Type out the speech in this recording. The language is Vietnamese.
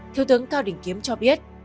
thiếu tướng cao đình kiếm cho biết